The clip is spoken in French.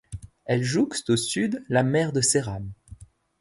Elle jouxte au sud la mer de Seram.